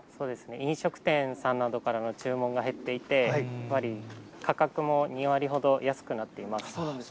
飲食店さんなどからの注文が減っていて、価格も２割ほど安くなっています。